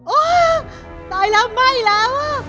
โอ้้ตายแล้วไหม้แล้วอ่ะ